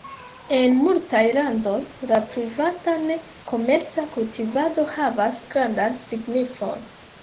En multaj landoj la privata, ne komerca kultivado havas grandan signifon.